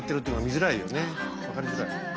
分かりづらい。